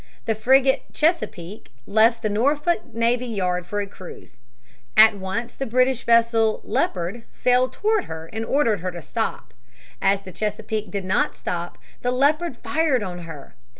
The frigate Chesapeake left the Norfolk navy yard for a cruise. At once the British vessel Leopard sailed toward her and ordered her to stop. As the Chesapeake did not stop, the Leopard fired on her.